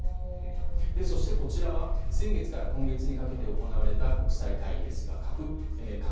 そして、こちらは先月から今月にかけて行われた国際会議です。